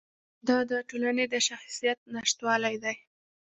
دا د ټولنې د شخصیت نشتوالی دی.